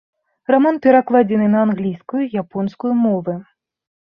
Раман перакладзены на англійскую і японскую мовы.